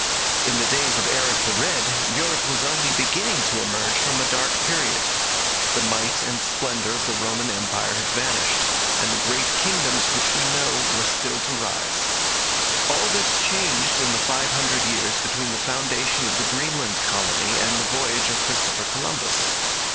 In the days of Eric the Red Europe was only beginning to emerge from a dark period. The might and splendour of the Roman Empire had vanished, and the great kingdoms which we know were still to rise. All this changed in the five hundred years between the foundation of the Greenland colony and the voyage of Christopher Columbus.